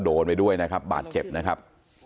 โดนไปด้วยนะครับบาดเจ็บนะครับ